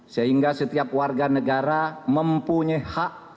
sehingga setiap warga negara mempunyai hak dan kebebasan untuk berekspresi